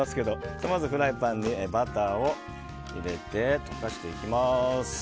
フライパンにバターを入れて溶かしていきます。